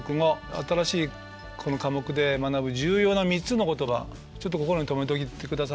新しいこの科目で学ぶ重要な３つの言葉ちょっと心に留めておいてくださいね。